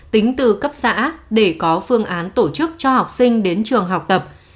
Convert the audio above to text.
tính từ cấp xã để có phương án tổ chức cho học sinh đến trường học tập